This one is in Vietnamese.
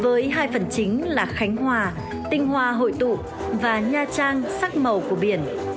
những phần chính là khánh hòa tinh hòa hội tụ và nha trang sắc màu của biển